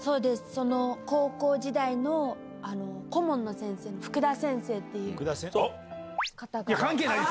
その高校時代の顧問の先生、福田先生っていう方が。